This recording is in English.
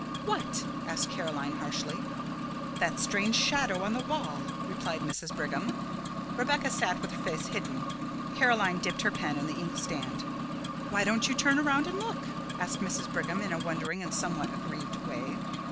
"What?" asked Caroline harshly. "That strange shadow on the wall," replied Mrs. Brigham. Rebecca sat with her face hidden; Caroline dipped her pen in the inkstand. "Why don't you turn around and look?" asked Mrs. Brigham in a wondering and somewhat aggrieved way.